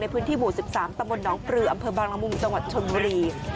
ในพื้นที่บ๑๓ตนนปรืออบางละมุมจชนบุรี